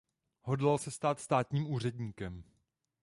Hodlal se stát státním úředníkem.